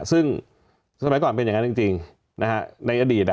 ซึ่งสมัยก่อนเป็นอย่างนั้นจริงในอดีต